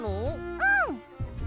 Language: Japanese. うん！